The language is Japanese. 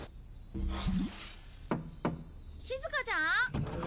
しずかちゃん？